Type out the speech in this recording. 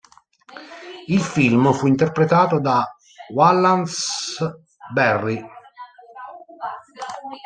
Il film fu interpretato da Wallace Beery.